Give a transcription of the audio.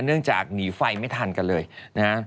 เนื่องจากหนีไฟไม่ทันกันเลยนะฮะ